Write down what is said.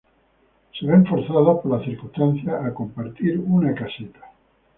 Se ven forzados por las circunstancias a compartir una caseta.